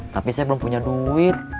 tapi saya belum punya duit